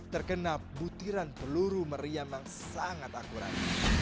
terkena butiran peluru meriam yang sangat akurat